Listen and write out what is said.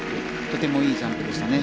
とてもいいジャンプでしたね。